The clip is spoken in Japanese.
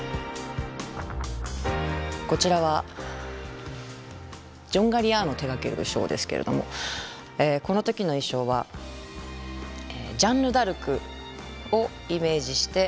こちらはジョン・ガリアーノ手がけるショーですけれどもこの時の衣装はジャンヌ・ダルクをイメージして作ったコレクション。